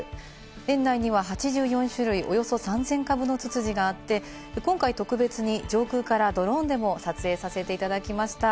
園内には８４種類、およそ３０００株のツツジがあって今回、特別に上空からドローンでも撮影させていただきました。